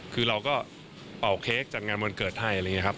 คือเราก็เอาเค้กจัดงานวันเกิดให้อะไรอย่างนี้ครับ